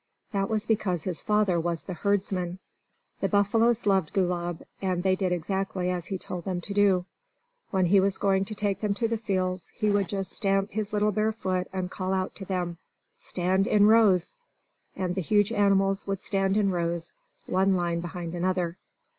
That was because his father was the herdsman. The buffaloes loved Gulab, and they did exactly as he told them to do. When he was going to take them to the fields, he would just stamp his little bare foot and call out to them "Stand in rows!" And the huge animals would stand in rows, one line behind another.